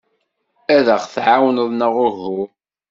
Ad aɣ-tɛawneḍ neɣ uhu?